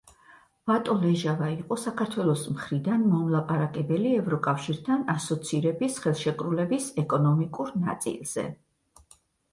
ვატო ლეჟავა იყო საქართველოს მხრიდან მომლაპარაკებელი ევროკავშირთან ასოცირების ხელშეკრულების ეკონომიკური ნაწილზე.